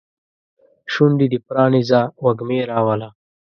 شونډې دې پرانیزه وږمې راوله